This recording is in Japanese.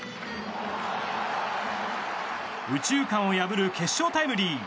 右中間を破る決勝タイムリー。